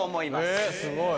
えすごい。